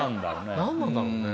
何なんだろうね。